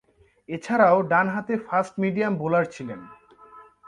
এছাড়াও ডানহাতে fast medium bowler ছিলেন।